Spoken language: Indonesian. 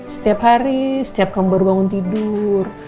setiap hari setiap kaum baru bangun tidur